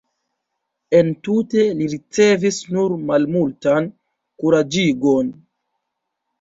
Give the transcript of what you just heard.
Entute li ricevis nur malmultan kuraĝigon.